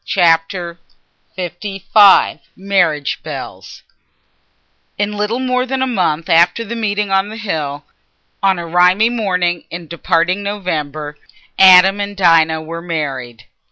Chapter LV Marriage Bells In little more than a month after that meeting on the hill—on a rimy morning in departing November—Adam and Dinah were married.